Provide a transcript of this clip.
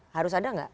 harus ada gak